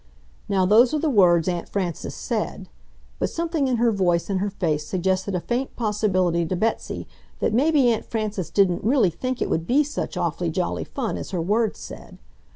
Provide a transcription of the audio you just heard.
Now those are the words Aunt Frances said, but something in her voice and her face suggested a faint possibility to Betsy that maybe Aunt Frances didn't really think it would be such awfully jolly fun as her words said.